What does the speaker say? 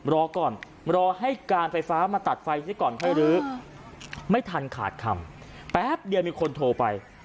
รอก่อนรอให้การไฟฟ้ามาตัดไฟซิก่อนค่อยลื้อไม่ทันขาดคำแป๊บเดียวมีคนโทรไป